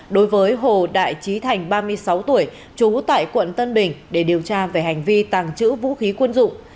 đối với hồ đại trí thành ba mươi sáu tuổi trú tại quận tân bình để điều tra về hành vi tàng trữ vũ khí quân dụng